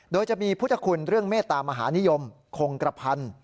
โดยจะมีพุทธคุณเรื่องเมตตามหานิยมคงกระพันธ์